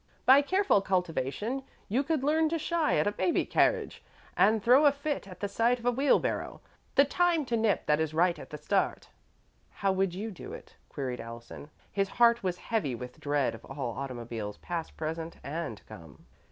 By careful cultivation, you could learn to shy at a baby carriage and throw a fit at the sight of a wheelbarrow. The time to nip that is right at the start." "How would you do it?" queried Allison. His heart was heavy with dread of all automobiles, past, present, and to come."